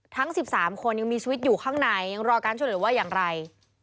ทั้ง๑๓คนยังมีชีวิตอยู่ข้างในยังรอการช่วยเหลือว่าอย่างไร